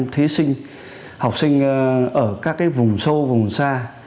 thí sinh học sinh ở các cái vùng sâu vùng xa